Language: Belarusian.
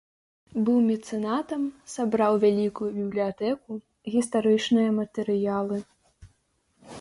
Быў мецэнатам, сабраў вялікую бібліятэку, гістарычныя матэрыялы.